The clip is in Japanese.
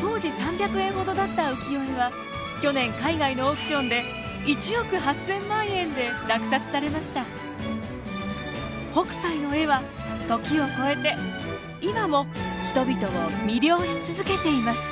当時３００円ほどだった浮世絵は去年海外のオークションで北斎の絵は時を超えて今も人々を魅了し続けています。